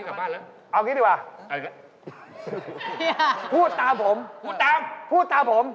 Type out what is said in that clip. ป๊ะป๊ะโทนโทนโทน